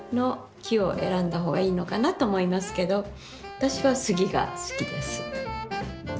私は杉が好きです。